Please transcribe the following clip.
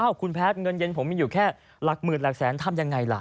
คุณแพทย์เงินเย็นผมมีอยู่แค่หลักหมื่นหลักแสนทำยังไงล่ะ